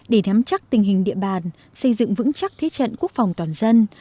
để nắm chắc tình hình địa bàn xây dựng vững chắc thế trận quốc phòng toàn dân